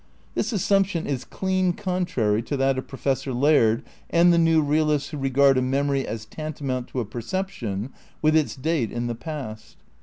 This assumption is clean contrary to that of Pro fessor Laird and the new realists who regard a memory as tantamount to a perception with its date in the past.